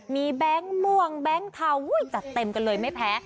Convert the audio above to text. มีแบงค์ม่วงแบงค์เทาจัดเต็มกันเลยไม่แพ้